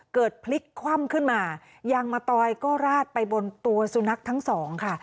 พลิกคว่ำขึ้นมายางมะตอยก็ราดไปบนตัวสุนัขทั้งสองค่ะ